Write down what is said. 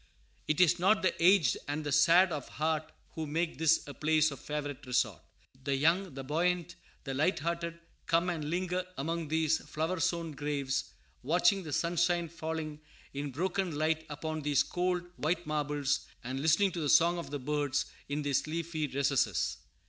It is not the aged and the sad of heart who make this a place of favorite resort. The young, the buoyant, the light hearted, come and linger among these flower sown graves, watching the sunshine falling in broken light upon these cold, white marbles, and listening to the song of birds in these leafy recesses.